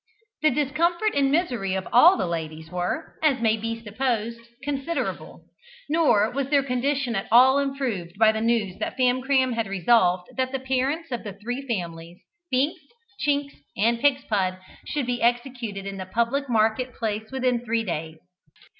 The discomfort and misery of all the ladies were, as may be supposed, considerable; nor was their condition at all improved by the news that Famcram had resolved that the parents of the three families, Binks, Chinks, and Pigspud, should be executed in the public market place within three days.